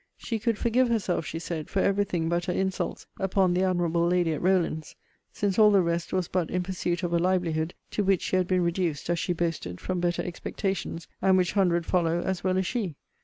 She could forgive herself, she said, for every thing but her insults upon the admirable lady at Rowland's, since all the rest was but in pursuit of a livelihood, to which she had been reduced, as she boasted, from better expectations, and which hundreds follow as well as she.